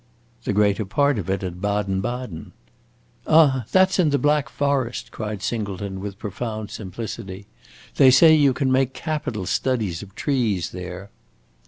"The greater part of it at Baden Baden." "Ah, that 's in the Black Forest," cried Singleton, with profound simplicity. "They say you can make capital studies of trees there."